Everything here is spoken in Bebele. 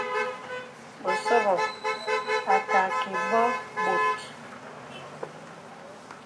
Bəsɔbɔ̄ à kààkì bɔ̄ bòt.